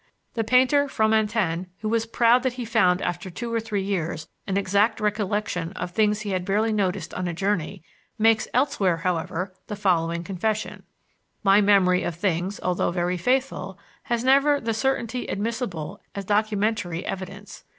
The painter Fromentin, who was proud that he found after two or three years "an exact recollection" of things he had barely noticed on a journey, makes elsewhere, however, the following confession: "My memory of things, although very faithful, has never the certainty admissible as documentary evidence.